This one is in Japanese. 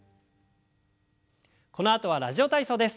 このあとは「ラジオ体操」です。